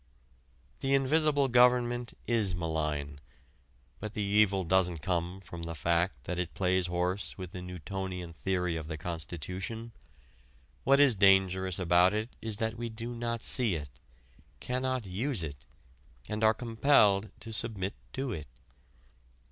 The invisible government is malign. But the evil doesn't come from the fact that it plays horse with the Newtonian theory of the constitution. What is dangerous about it is that we do not see it, cannot use it, and are compelled to submit to it.